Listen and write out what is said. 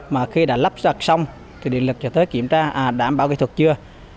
mà khi đã lắp đặt xong thì điện lực trở tới kiểm tra đảm bảo kỹ thuật chưa